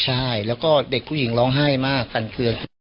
ใช่แล้วก็เด็กผู้หญิงร้องไห้มาก